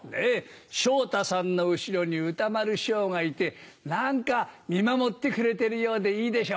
昇太さんの後ろに歌丸師匠がいて何か見守ってくれてるようでいいでしょ。